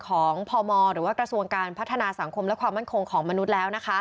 พมหรือว่ากระทรวงการพัฒนาสังคมและความมั่นคงของมนุษย์แล้ว